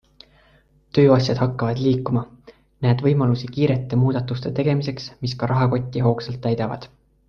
Tööasjad hakkavad liikuma, näed võimalusi kiirete muudatuste tegemiseks, mis ka rahakotti hoogsalt täidavad.